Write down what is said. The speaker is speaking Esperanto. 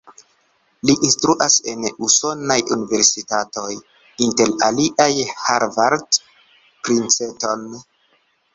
Li instruas en usonaj universitatoj, inter aliaj Harvard, Princeton.